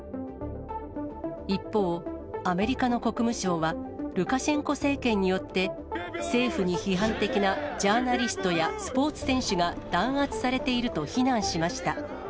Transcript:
一方、アメリカの国務省は、ルカシェンコ政権によって、政府に批判的なジャーナリストやスポーツ選手が弾圧されていると非難しました。